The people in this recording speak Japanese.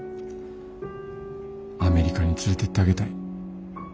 アメリカに連れてってあげたい。